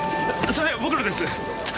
それ僕のです。